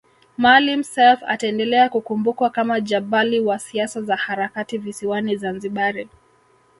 Maalim Self ataendelea kukumbukwa kama jabali wa siasa za harakati visiwani Zanzibari